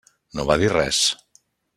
No va dir res.